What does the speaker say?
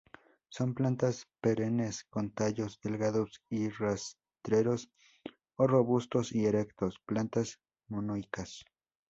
Son plantas perennes; con tallos delgados y rastreros o robustos y erectos; plantas monoicas.